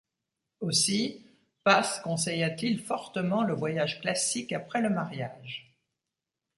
Aussi Paz conseilla-t-il fortement le voyage classique après le mariage.